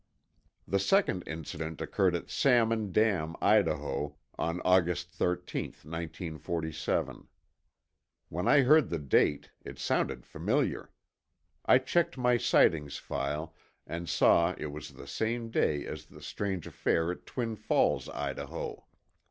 The second incident occurred at Salmon Dam, Idaho, on August 13, 1947. When I heard the date, it sounded familiar. I checked my sightings file and saw it was the same day as the strange affair at Twin Falls, Idaho.